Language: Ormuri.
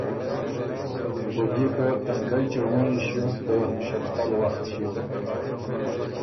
او بيې که تنکئ چُړمُونئ ݭیوک ته ݭفتل وخت ݭیوک